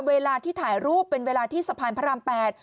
เวลาที่ถ่ายรูปเป็นเวลาที่สะพานพระราม๘